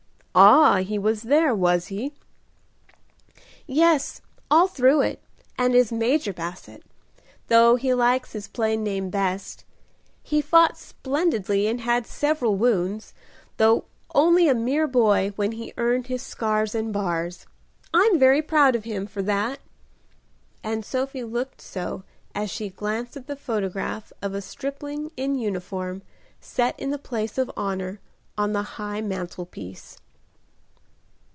"Ah, he was there, was he?" "Yes, all through it, and is Major Basset, though he likes his plain name best. He fought splendidly and had several wounds, though only a mere boy when he earned his scars and bars. I'm very proud of him for that," and Sophie looked so as she glanced at the photograph of a stripling in uniform set in the place of honor on the high mantel piece.